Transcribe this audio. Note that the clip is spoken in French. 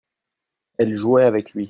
ellel jouait avec lui.